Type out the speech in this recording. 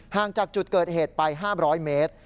ห่างจากจุดเกิดเหตุไป๕๐๐เมตร